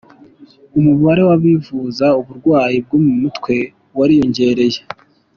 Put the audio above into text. Umubare w’abivuza uburwayi bwo mu mutwe wariyongereye.